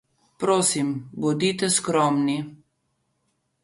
Prosim, bodite skromni.